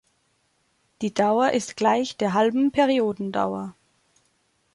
Die Dauer ist gleich der halben Periodendauer.